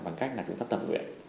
bằng cách là chúng ta tập nguyện